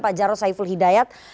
pak jarod saiful hidayat